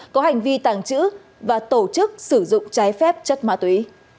có hành vi tàng trữ và tổ chức sử dụng trái phép chất ma túy